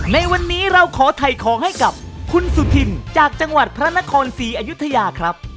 ในวันนี้เราขอถ่ายของให้กับคุณสุธินจากจังหวัดพระนครศรีอยุธยาครับ